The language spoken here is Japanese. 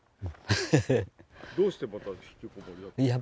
どうしてまた引きこもりだったんですか？